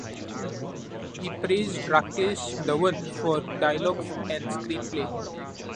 He praised Rakesh Dhawan for dialogues and screenplay.